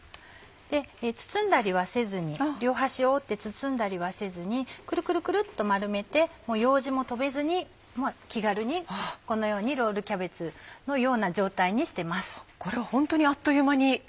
包んだりはせずに両端を折って包んだりはせずにくるくるくるっと丸めてようじも留めずに気軽にこのようにロールキャベツのような状態にしてます。